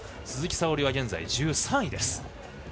鈴木沙織は現在、１３位です。